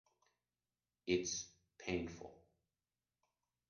It’s painful.